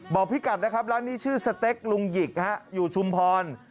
พี่กัดนะครับร้านนี้ชื่อสเต็กลุงหยิกอยู่ชุมพร